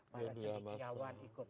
para jki awan ikut